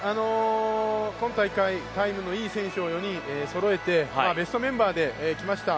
今大会、タイムのいい選手を４人そろえてベストメンバーできました。